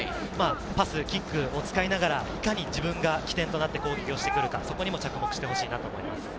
パス、キックを使いながら、いかに自分が起点となって攻撃するか、そこにも着目してほしいと思います。